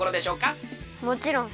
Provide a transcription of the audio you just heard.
もちろん。